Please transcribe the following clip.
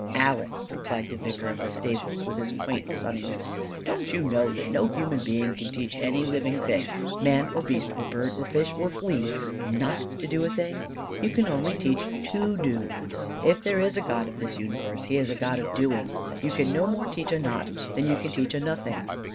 "Aleck," replied the vicar of the stables with his quaint sunniness, "don't you know that no human being can teach any living thing man or beast or bird or fish or flea not to do a thing? you can only teach to do. If there is a God of this universe, He is a God of doing. You can no more teach 'a not' than you can teach 'a nothing.'